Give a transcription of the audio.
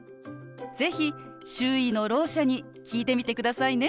是非周囲のろう者に聞いてみてくださいね。